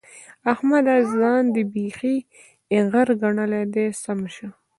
احمده! ځان دې بېخي ايغر ګڼلی دی؛ سم شه.